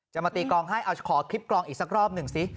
จะมาตีกองให้เอาขอคลิปกลองอีกสักรอบหนึ่งสิ